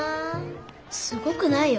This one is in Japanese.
すごくないよ。